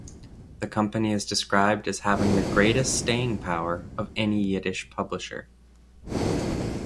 The company is described as having the greatest staying power of any Yiddish publisher.